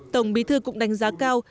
tổng bí thư cũng đánh giá cao